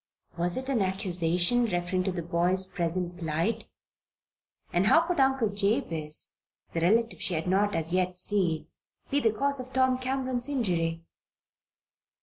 Was it an accusation referring to the boy's present plight? And how could her Uncle Jabez the relative she had not as yet seen be the cause of Tom Cameron's injury?